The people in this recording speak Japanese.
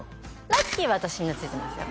ラッキーは私に懐いてますよ